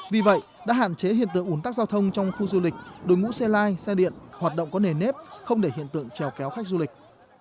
vì vậy đã hạn chế hiện tượng ủn tắc giao thông trong khu du lịch đội ngũ xe lai xe điện hoạt động có nề nếp không để hiện tượng trèo kéo khách du lịch